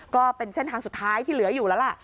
ก็เป็นเส้นทางสุดท้ายที่เหลืออยู่แล้วล่ะ